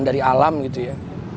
dari alam gitu ya